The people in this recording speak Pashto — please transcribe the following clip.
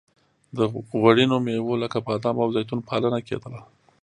د غوړینو میوو لکه بادام او زیتون پالنه کیدله.